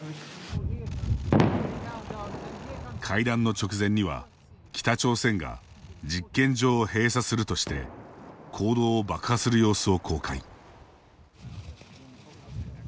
会談の直前には、北朝鮮が実験場を閉鎖するとして坑道を爆破する様子を公開。